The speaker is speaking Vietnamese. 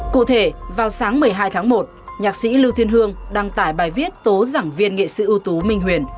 cụ thể vào sáng một mươi hai tháng một nhạc sĩ lưu thiên hương đăng tải bài viết tố giảng viên nghệ sĩ ưu tú minh huyền